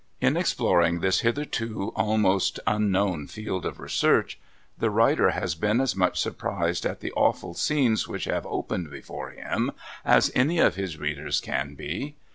In exploring this hitherto almost unknown field of research, the writer has been as much surprised at the awful scenes which have opened before him, as any of his readers can be.